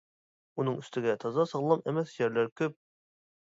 ئۇنىڭ ئۈستىگە تازا ساغلام ئەمەس يەرلەر كۆپ.